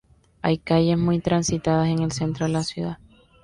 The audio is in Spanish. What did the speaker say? Hay calles muy transitadas en el centro de la ciudad.